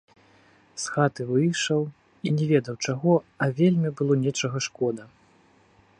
З хаты выйшаў, і не ведаў чаго, а вельмі было нечага шкода.